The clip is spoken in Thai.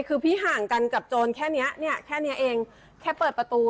คือพี่ห่างกันกับโจรแค่เนี้ยเนี่ยแค่นี้เองแค่เปิดประตู